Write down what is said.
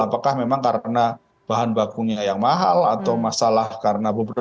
apakah memang karena bahan bakunya yang mahal atau masalah karena beberapa